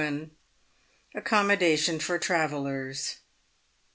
"ACCOMMODATION for travellers."